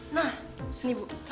nah ini bu